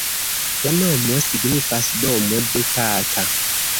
La nomo signifas domo de Tata.